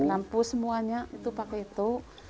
lampu semuanya pakai itu